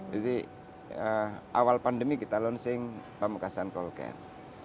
jadi awal pandemi kita launching pamekasan cold care